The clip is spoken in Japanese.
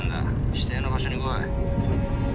指定の場所に来い。